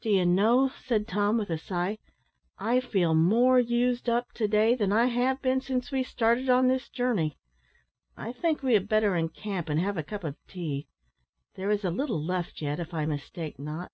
"Do you know," said Tom, with a sigh, "I feel more used up to day than I have been since we started on this journey. I think we had better encamp and have a cup of tea; there is a little left yet, if I mistake not."